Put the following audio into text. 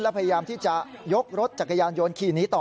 และพยายามที่จะยกรถจักรยานยนต์ขี่หนีต่อ